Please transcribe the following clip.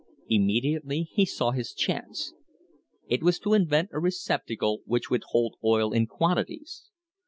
Imme diately he saw his chance. It was to invent a receptacle which would hold oil in quantities.